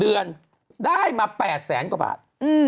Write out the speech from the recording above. เดือนได้มา๘แสนกว่าบาท